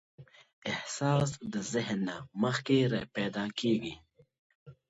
احساس د ذهن نه مخکې راپیدا کېږي.